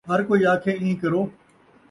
ہر کئی آکھے ایں کرو